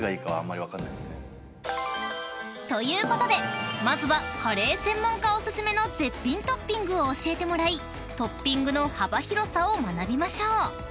［ということでまずはカレー専門家お薦めの絶品トッピングを教えてもらいトッピングの幅広さを学びましょう］